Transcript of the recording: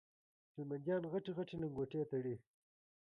هلمنديان غټي غټي لنګوټې تړي